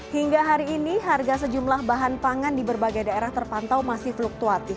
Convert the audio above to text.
hingga hari ini harga sejumlah bahan pangan di berbagai daerah terpantau masih fluktuatif